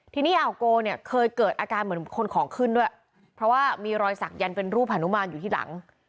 ทีนี้อ่าวโกเนี่ยเคยเกิดอาการเหมือนคนของขึ้นด้วยเพราะว่ามีรอยสักยันต์เป็นรูปหานุมานอยู่ที่หลัง